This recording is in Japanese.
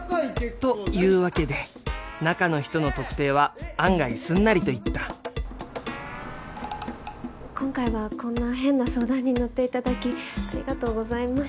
というわけで中の人の特定は案外すんなりといった今回はこんな変な相談にのっていただきありがとうございます。